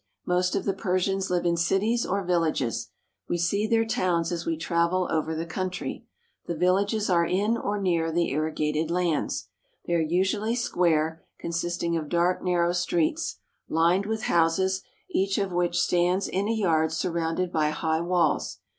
Most of the Persians live in cities or villages. We see their towns, as we travel over the country. The villages are in or near the irrigated lands. They are usually square, consisting of dark, narrow streets, lined with houses, each of which stands in a yard surrounded by high walls.